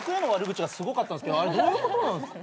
あれどういうことなんすか？